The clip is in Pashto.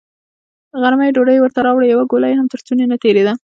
غرمه يې ډوډۍ ورته راوړه، يوه ګوله يې هم تر ستوني نه تېرېده.